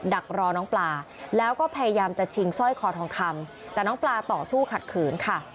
ดักรอน้องปลาแล้วก็พยายามจะชิงสร้อยคอทองคำแต่น้องปลาต่อสู้ขัดขืนค่ะ